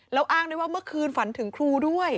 แล้วอ้างด้วยว่าเมื่อคืนฝันถึงครูด้วย